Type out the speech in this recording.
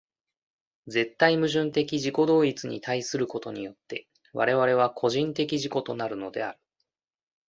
絶対矛盾的自己同一に対することによって我々は個人的自己となるのである。